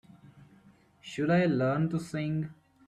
Should I learn to sing?